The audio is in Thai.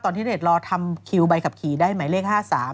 ที่เดชรอทำคิวใบขับขี่ได้หมายเลข๕๓